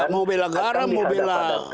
mau bela garam mau bela